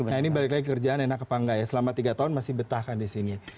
nah ini balik lagi kerjaan enak apa enggak ya selama tiga tahun masih betah kan di sini